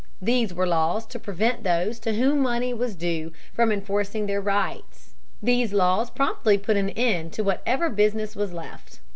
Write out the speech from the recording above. These were laws to prevent those to whom money was due from enforcing their rights. These laws promptly put an end to whatever business was left.